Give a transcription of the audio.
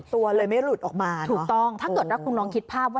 ตัวเลยไม่หลุดออกมาถ้าเกิดแล้วคุณลองคิดภาพว่า